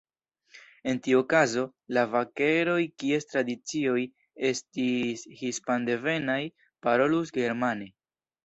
En tiu okazo, la vakeroj, kies tradicioj estis hispandevenaj, parolus germane.